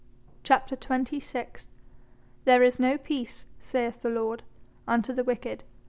CHAPTER XXVI "There is no peace, saith the Lord, unto the wicked."